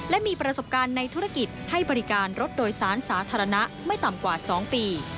และมีประสบการณ์ในธุรกิจให้บริการรถโดยสารสาธารณะไม่ต่ำกว่า๒ปี